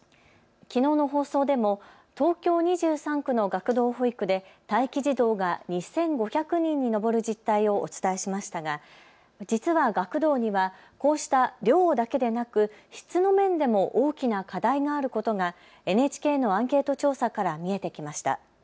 きのうの放送でも東京２３区の学童保育で待機児童が２５００人に上る実態をお伝えしましたが実は学童には、こうした量だけでなく質の面でも大きな課題があることがＮＨＫのアンケート調査から見えてきました。